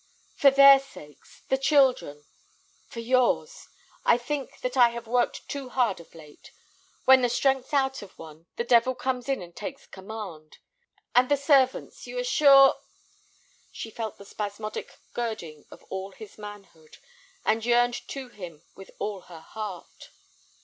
"For their sakes, the children—for yours. I think that I have worked too hard of late. When the strength's out of one, the devil comes in and takes command. And the servants, you are sure—?" She felt the spasmodic girding of all his manhood, and yearned to him with all her heart.